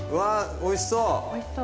おいしそう！